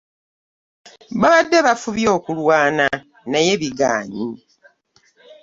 Babadde bafubye okulwana naye bigaanyi.